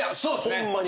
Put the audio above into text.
ホンマに。